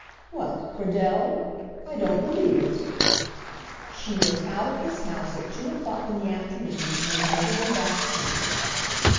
"What, Cradell? I don't believe it." "She went out of this house at two o'clock in the afternoon, and has never been back since."